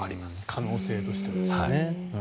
可能性としてはですね。